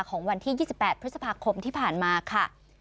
ของวันที่๒๘พฤษภาคมที่ผ่านมาค่ะ